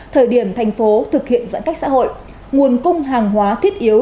thời điểm thành phố thực hiện giãn cách xã hội nguồn cung hàng hóa thiết yếu